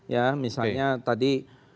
ya misalnya tadi